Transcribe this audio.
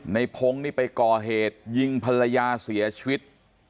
ในพงศ์นี่ไปก่อเหตุยิงภรรยาเสียชีวิต